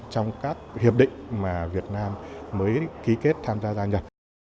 trong các hiệp định mà việt nam mới ký kết tham gia ra nhận